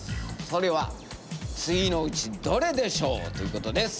それは次のうちどれでしょうということです。